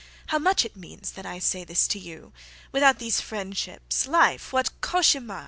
How much it means that I say this to you—Without these friendships—life, what cauchemar!"